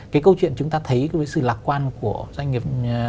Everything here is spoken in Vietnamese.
cái câu chuyện chúng ta thấy với sự lạc quan của doanh nghiệp